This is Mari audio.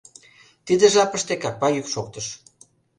Тиде жапыште капка йӱк шоктыш.